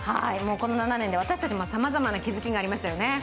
この７年で私たちもさまざまな気づきがありましたね。